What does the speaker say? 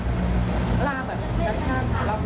ก็แบบลากกระชากเราพอ